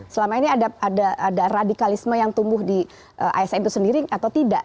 selama ini ada radikalisme yang tumbuh di asn itu sendiri atau tidak